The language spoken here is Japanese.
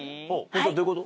どういうこと？